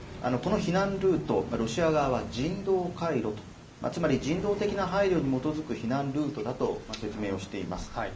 この避難ルート、ロシア側は人道回廊と、人道的な配慮に基づく避難ルートだと説明をしています。